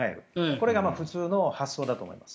これが普通の発想だと思います。